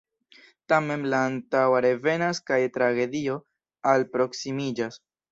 Tamen la antaŭa revenas kaj tragedio alproksimiĝas.